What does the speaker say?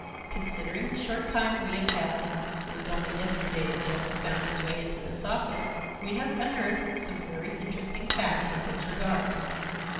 Considering the short time we have had (it was only yesterday that Jones found his way into this office), we have unearthed some very interesting facts in his regard.